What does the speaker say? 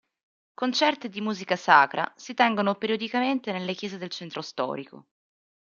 Concerti di musica sacra si tengono periodicamente nelle chiese del centro storico.